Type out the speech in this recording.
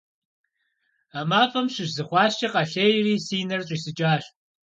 А мафӀэм щыщ зы хъуаскӀэ къэлъейри си нэр щӀисыкӀащ.